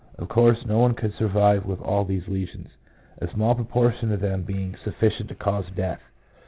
Of course no one could survive with all these lesions, a small proportion of them being sufficient to cause death.